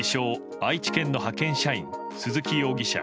・愛知県の派遣社員鈴木容疑者